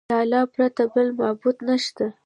د الله پرته بل معبود نشته.